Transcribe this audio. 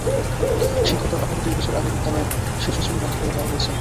শিক্ষকের অভাবে দুই বছর আগে বিদ্যালয়ের শিশু শ্রেণি বন্ধ করে দেওয়া হয়েছে।